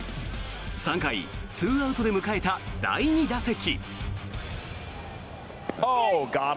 ３回、２アウトで迎えた第２打席。